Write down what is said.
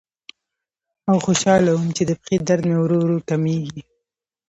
او خوشاله وم چې د پښې درد مې ورو ورو کمیږي.